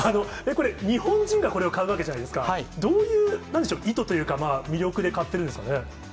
これ、日本人がこれを買うわけじゃないですか、どういう、なんでしょう、意図というか、魅力で買ってるんですかね。